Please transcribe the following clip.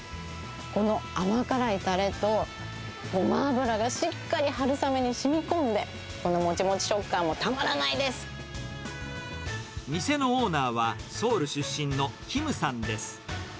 この甘辛いたれと、ゴマ油がしっかり春雨にしみこんで、このもちもち食感もたまらな店のオーナーはソウル出身のキムさんです。